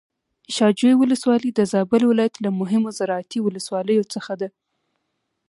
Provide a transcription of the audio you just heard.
شاه جوی ولسوالي د زابل ولايت له مهمو زراعتي ولسواليو څخه ده.